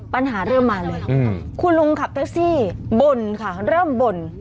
ปัญหาเริ่มมาเลยคุณลุงขับแท็กซี่บ่นค่ะเริ่มบ่น